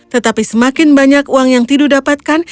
tetapi semakin banyak uang yang tidu dapatkan